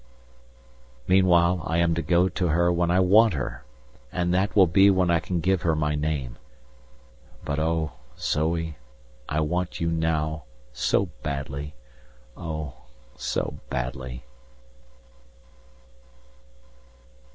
Meanwhile I am to go to her when I want her! And that will be when I can give her my name. But oh! Zoe, I want you now, so badly, oh! so badly!